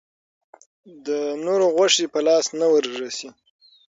د نورو غوښې په لاس نه وررسي.